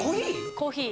コーヒー。